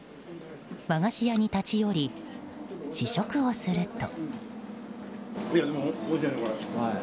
和菓子屋に立ち寄り試食をすると。